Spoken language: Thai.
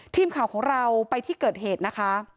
ทีมข่าวของเราไปที่เกิดเหตุนะคะ